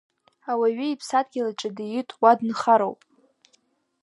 Ауаҩы иԥсадгьыл аҿы диит, уа дынхароуп.